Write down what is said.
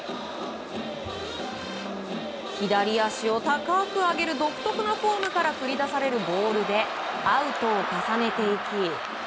左足を高く上げる独特なフォームから繰り出されるボールでアウトを重ねていき。